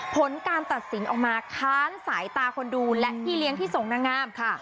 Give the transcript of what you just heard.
ผลการตัดสินออกมาค้านสายตาคนดูและพี่เลี้ยงที่ส่งนางงามค่ะ